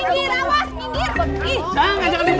minggir awas minggir